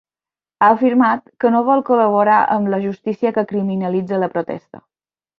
Ha afirmat que no vol col·laborar amb la justícia que criminalitza la protesta.